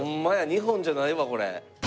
日本じゃないわこれ。